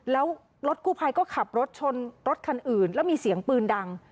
แล้วรถกู้ภัยก็ขับรถชนรถคันอื่นแล้วมีเสียงปืนดัง